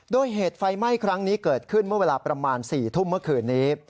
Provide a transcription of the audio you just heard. โดยเหตุไฟไหม้ครั้งนี้เกิดขึ้นเมื่อเวลาประมาณ๔ทุ่มเมื่อคืนนี้